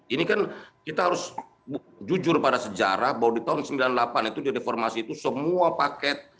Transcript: ini kan kita harus jujur pada sejarah bahwa di tahun sembilan puluh delapan itu di reformasi itu semua paket